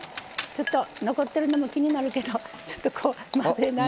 ちょっと残ってるのも気になるけどちょっとこう混ぜながら。